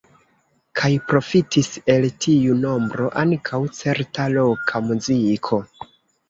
Kaj profitis el tiu nombro ankaŭ certa roka muziko.